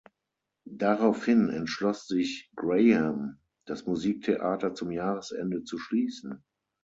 Daraufhin entschloss sich Graham, das Musiktheater zum Jahresende zu schließen.